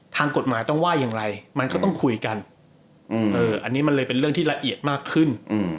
ทางกฎหมายต้องว่าอย่างไรมันก็ต้องคุยกันอันนี้มันเลยเป็นเรื่องที่ละเอียดมากขึ้น